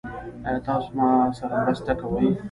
ایا تاسو زما سره مرسته کوئ؟